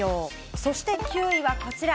そして９位はこちら。